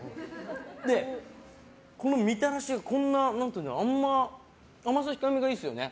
で、このみたらしがあんまり甘さ控えめがいいですよね。